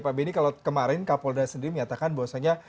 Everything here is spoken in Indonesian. pak benny sendiri menyatakan bahwa